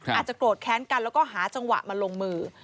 อาจจะโกรธแค้นกันแล้วก็หาจังหวะมาลงมือ